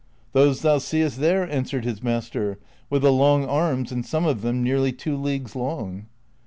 " Those thou seest there," answered his master, " with the long arms, and some have them nearly two leagues long."